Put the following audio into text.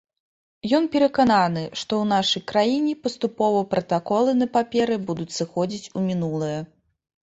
Ён перакананы, што ў нашай краіне паступова пратаколы на паперы будуць сыходзіць у мінулае.